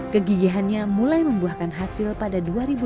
kegigihannya mulai membuahkan hasil pada dua ribu delapan